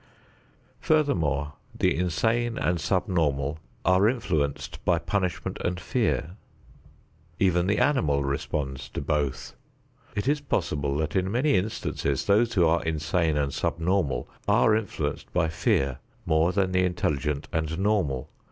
Furthermore, the insane and subnormal are influenced by punishment and fear. Even the animal responds to both. It is possible that in many instances those who are insane and subnormal are influenced by fear more than the intelligent and normal.